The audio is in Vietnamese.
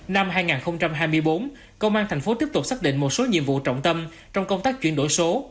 năm hai nghìn hai mươi bốn công an thành phố tiếp tục xác định một số nhiệm vụ trọng tâm trong công tác chuyển đổi số